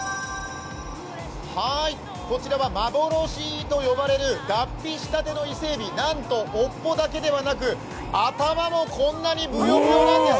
はーい、こちらは幻と呼ばれる脱皮したての伊勢えび、なんと尾っぽだけではなく、頭もこんなにぶよぶよなんです。